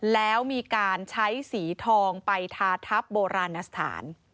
แล้วมีการใช้สีทองไปทาทับโบราณสถาน